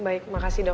baik makasih dok